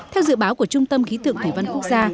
theo dự báo của trung tâm khí tượng thủy văn quốc gia